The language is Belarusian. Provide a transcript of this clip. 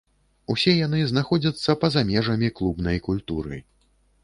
Усе яны знаходзяцца па-за межамі клубнай культуры.